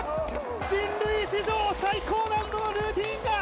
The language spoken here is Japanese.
人類史上最高難度のルーティンだ。